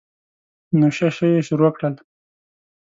نو شه شه یې شروع کړل.